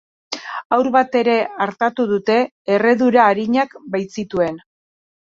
Haur bat ere artatu dute, erredura arinak baitzituen.